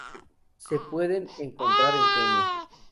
Se pueden encontrar en Kenia.